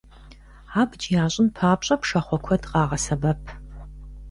Абдж ящӀын папщӀэ, пшахъуэ куэд къагъэсэбэп.